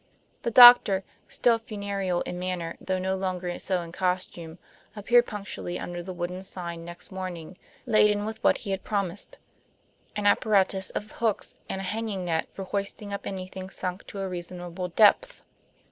The doctor, still funereal in manner, though no longer so in costume, appeared punctually under the wooden sign next morning, laden with what he had promised; an apparatus of hooks and a hanging net for hoisting up anything sunk to a reasonable depth.